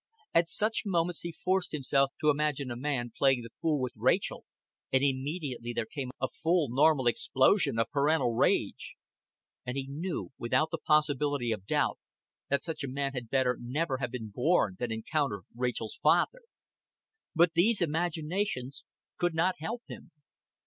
At such moments he forced himself to imagine a man playing the fool with Rachel, and immediately there came a full normal explosion of parental rage; and he knew, without the possibility of doubt, that such a man had better never have been born than encounter Rachel's father. But these imaginations could not help him.